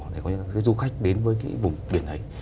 để du khách đến với vùng biển này